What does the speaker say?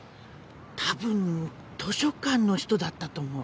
多分図書館の人だったと思う。